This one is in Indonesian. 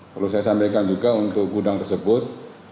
perlu saya sampaikan juga untuk gudang tersebut